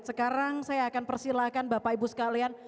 sekarang saya akan persilahkan bapak ibu sekalian